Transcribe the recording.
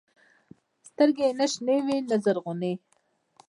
سترګې يې نه شنې وې نه زرغونې.